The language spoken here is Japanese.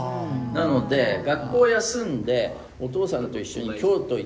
なので学校を休んでお父さんと一緒に京都行った。